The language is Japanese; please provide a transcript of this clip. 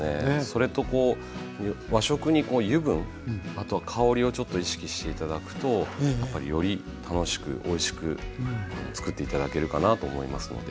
それとこう和食に油分あとは香りをちょっと意識して頂くとやっぱりより楽しくおいしく作って頂けるかなと思いますので。